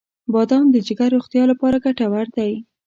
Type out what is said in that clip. • بادام د جګر روغتیا لپاره ګټور دی.